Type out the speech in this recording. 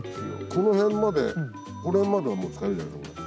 この辺までこの辺まではもう使えるじゃないですかこれ。